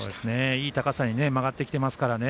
いい高さに曲がってきていますからね。